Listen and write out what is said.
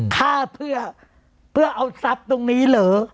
ฆ่าเพื่อเอาทรัพย์ตรงนี้เหรอ